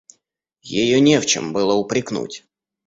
Ее не в чем было упрекнуть.